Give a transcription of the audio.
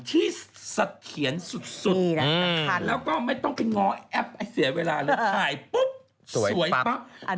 ที่สัดเขียนสุดแล้วก็ไม่ต้องเป็นง้อแอปเสียเวลาเลยถ่ายปุ๊บสวยปั๊บ